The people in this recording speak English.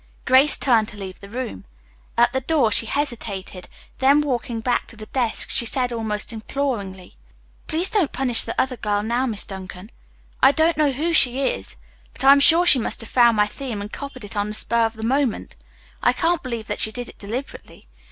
Grace turned to leave the room. At the door she hesitated, then walking back to the desk she said almost imploringly: "Please don't punish the other girl now, Miss Duncan. I do not know who she is, but I am sure she must have found my theme and copied it on the spur of the moment. I can't believe that she did it deliberately.